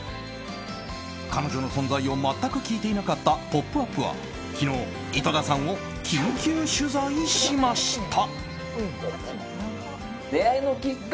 彼女の存在を全く聞いていなかった「ポップＵＰ！」は、昨日井戸田さんを緊急取材しました。